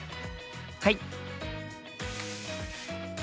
はい！